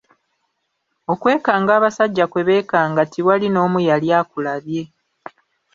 Okwekanga abasajja kwe beekanga tiwali n'omu yali akulabye.